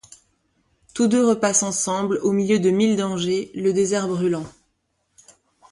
Tous deux repassent ensemble, au milieu de mille dangers, le désert brûlant.